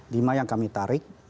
lima yang kami tarik